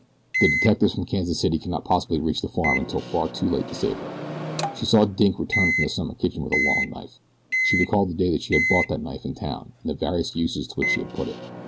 The detectives from Kansas City could not possibly reach the farm until far too late to save her. She saw Dink return from the summer kitchen with the long knife. She recalled the day she had bought that knife in town, and the various uses to which she had put it.